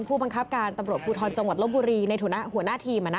ผู้บังคับการตำรวจภูทรจังหวัดลบบุรีในฐานะหัวหน้าทีม